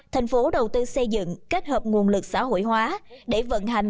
thành phố đầu tư xây dựng kết hợp nguồn lực xã hội hóa để vận hành